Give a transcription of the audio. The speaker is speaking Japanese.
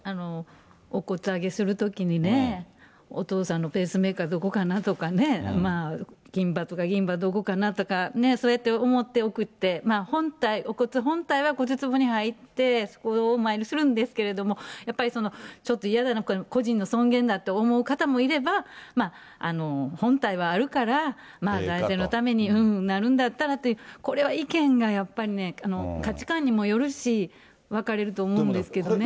お骨上げするときにね、お父さんのペースメーカーどこかなとかね、金歯とか銀歯どこかなそうやって思って、送って、お骨本体は骨つぼに入って、そこをお参りするんですけど、やっぱりちょっと故人の尊厳だなと思う方もいれば、まあ、本体はあるから、財政のためになるんだったらって、これは意見がやっぱりね、価値観にもよるし、分かれると思うんですけどね。